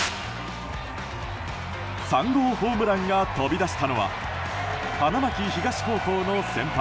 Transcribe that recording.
３号ホームランが飛び出したのは花巻東高校の先輩